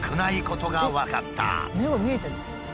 目が見えてるんですか？